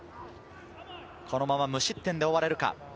このまま無失点で終われるか。